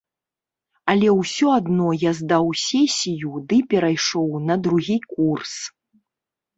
Але ўсё адно я здаў сесію ды перайшоў на другі курс.